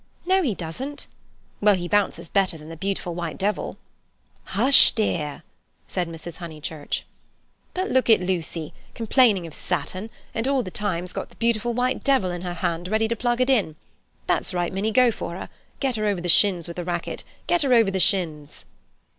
"No, he doesn't." "Well; he bounces better than the Beautiful White Devil." "Hush, dear," said Mrs. Honeychurch. "But look at Lucy—complaining of Saturn, and all the time's got the Beautiful White Devil in her hand, ready to plug it in. That's right, Minnie, go for her—get her over the shins with the racquet—get her over the shins!"